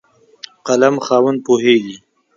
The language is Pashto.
قلم خاوند پوهېږي.